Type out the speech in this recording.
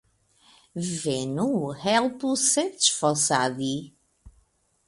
Venu, helpu serĉfosadi.